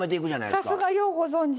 さすがようご存じ。